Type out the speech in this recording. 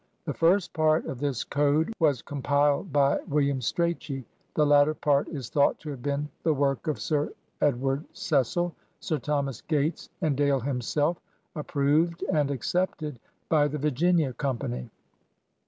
The first part of this code was com piled by William Strachey; the latter part is thought to have been the work of Sir Edward Cecil, Sir Thomas Gates, and Dale himself, ap proved and accepted by the Virginia Company.